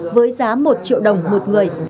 với giá một triệu đồng một người